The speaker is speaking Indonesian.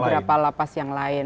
beberapa lapas yang lain